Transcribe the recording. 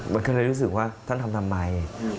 มันก็เลยรู้สึกว่าท่านทำทำไม